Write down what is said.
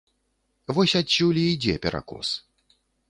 Вось адсюль і ідзе перакос.